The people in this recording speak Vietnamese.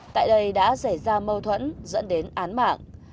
tại đây đã xảy ra mâu thuẫn dẫn đến án mạng